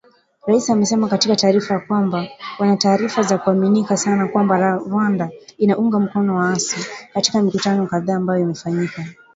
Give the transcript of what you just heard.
Rais amesema katika taarifa kwamba “wana taarifa za kuaminika sana kwamba Rwanda inaunga mkono waasi", katika mikutano kadhaa ambayo imefanyika